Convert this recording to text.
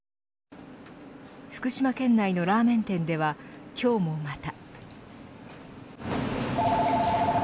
福島県内のラーメン店では今日もまた。